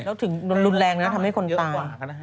แล้วถึงลุนแรงนั้นทำให้คนตาย